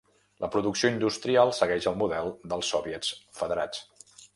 La producció industrial segueix el model dels soviets federats.